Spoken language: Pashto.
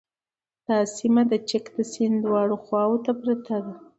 دا سیمه د چک د سیند دواړو خواوو ته پراته دي